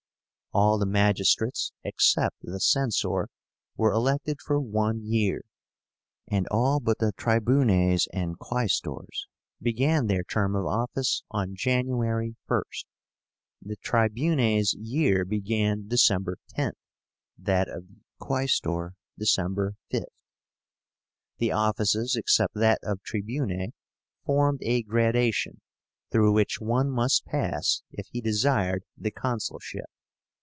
All the magistrates, except the Censor, were elected for one year; and all but the Tribunes and Quaestors began their term of office on January 1st. The Tribune's year began December 10th; that of the Quaestor, December 5th. The offices, except that of Tribune, formed a gradation, through which one must pass if he desired the consulship.